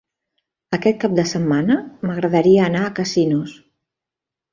Aquest cap de setmana m'agradaria anar a Casinos.